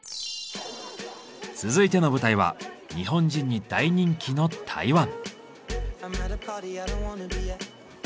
続いての舞台は日本人に大人気の台湾。